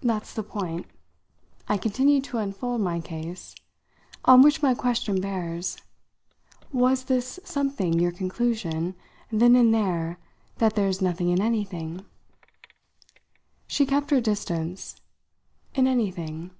That's the point" I continued to unfold my case "on which my question bears. Was this 'something' your conclusion, then and there, that there's nothing in anything?" She kept her distance. "'In anything'?"